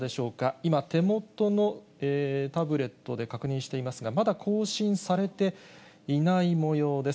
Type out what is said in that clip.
今、手元のタブレットで確認していますが、まだ更新されていないもようです。